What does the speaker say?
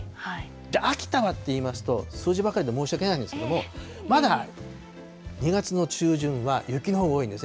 じゃあ、秋田はっていいますと、数字ばかりで申し訳ないんですけれども、まだ２月の中旬は雪のほうが多いんですね。